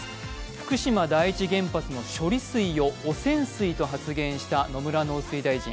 福島第一原発の処理水を汚染水と発言した野村農水大臣。